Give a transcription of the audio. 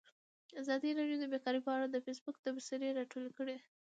ازادي راډیو د بیکاري په اړه د فیسبوک تبصرې راټولې کړي.